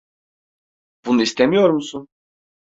Bunu istemiyor musun?